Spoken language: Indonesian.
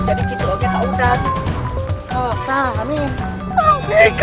jadi gitu aja kak udah